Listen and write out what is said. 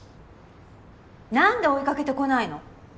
なんで追いかけてこないの？